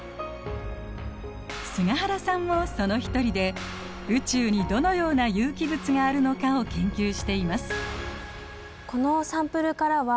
菅原さんもその一人で宇宙にどのような有機物があるのかを研究しています。